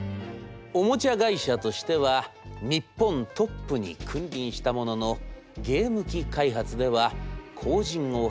おもちゃ会社としては日本トップに君臨したもののゲーム機開発では後じんを拝しておりました。